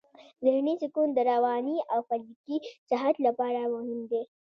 ذهني سکون د رواني او فزیکي صحت لپاره مهم دی.